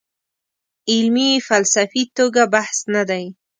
علمي فلسفي توګه بحث نه دی.